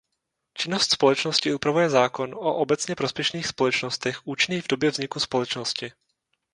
Činnost společnosti upravuje zákon o obecně prospěšných společnostech účinný v době vzniku společnosti.